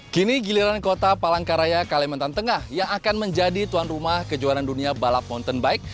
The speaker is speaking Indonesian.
kini giliran kota palangkaraya kalimantan tengah yang akan menjadi tuan rumah kejuaraan dunia balap mountain bike